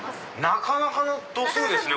なかなかの度数ですね！